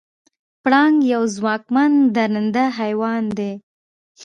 پړانګ یو ځواکمن درنده حیوان دی.